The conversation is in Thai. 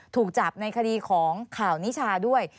ถูกจับในคดีของข่าวนิชาด้วย